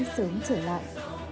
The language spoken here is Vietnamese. càng sớm trở lại